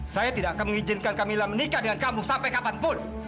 saya tidak akan mengizinkan kami menikah dengan kamu sampai kapanpun